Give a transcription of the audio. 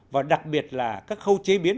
và đặc biệt là các khâu chế biến